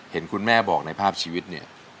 เห็นคุณแม่บอกในภาพชีวิตเนี่ย